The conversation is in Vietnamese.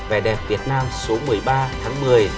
vẻ đẹp việt nam số một mươi ba tháng một mươi